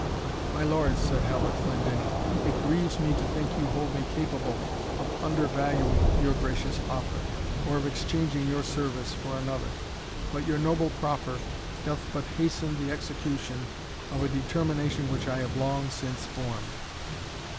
"My lord," said Halbert Glendinning, "it grieves me to think you hold me capable of undervaluing your gracious offer, or of exchanging your service for another. But your noble proffer doth but hasten the execution of a determination which I have long since formed."